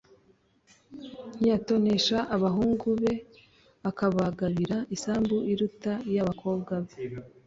ntiyatonesha abahungu be akabagabira isambu iruta iy'abakobwa be